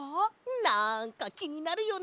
なんかきになるよね